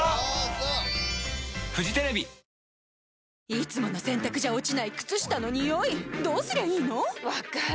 いつもの洗たくじゃ落ちない靴下のニオイどうすりゃいいの⁉分かる。